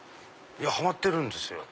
ハマってるんですよ。